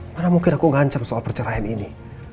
karena mungkin aku ngancam soal perceraian ini